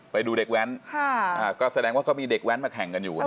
ไปดูเด็กแว้นก็แสดงว่าก็มีเด็กแว้นมาแข่งกันอยู่